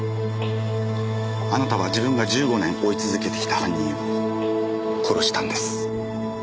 あなたは自分が１５年追い続けてきた犯人を殺したんです。